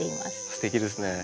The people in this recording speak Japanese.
すてきですね。